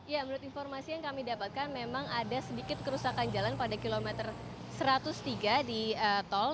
ya menurut informasi yang kami dapatkan memang ada sedikit kerusakan jalan pada kilometer satu ratus tiga di tol